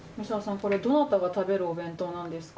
これどなたが食べるお弁当なんですか？